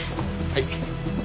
はい。